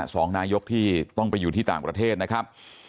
สองนายกที่ต้องไปอยู่ที่ต่างประเทศนะครับ